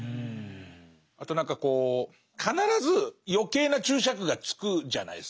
あと何か必ず余計な注釈がつくじゃないですか。